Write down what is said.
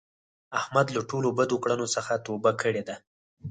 احمد له ټولو بدو کړونو څخه توبه کړې ده.